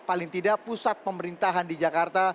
paling tidak pusat pemerintahan di jakarta